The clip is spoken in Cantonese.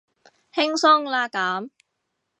輕鬆啦咁